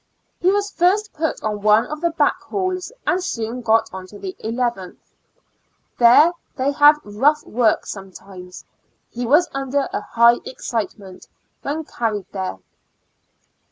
He was first put on one of the back halls, and soon got on to the eleventh. There they have rough work sometimes. He was under a hiofh excitement when carried there.